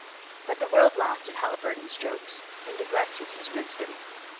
But the world laughed at Haliburton's jokes and neglected his wisdom.